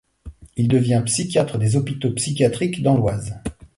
Il devient psychiatre des hôpitaux psychiatriques dans l'Oise.